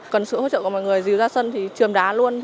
cần sữa hỗ trợ của mọi người dìu ra sân thì chìm đá luôn